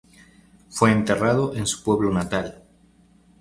Fue enterrado en su pueblo natal.